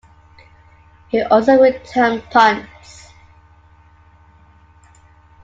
He also returned punts.